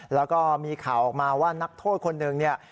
แล้วก็มีข่าวออกมาว่านักโทษคนหนึ่งเนี่ย